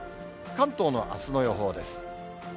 関東のあすの予報です。